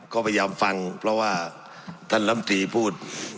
ก็พยายามฟังเพราะว่าท่านลำตีพูด